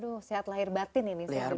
aduh sehat lahir batin ini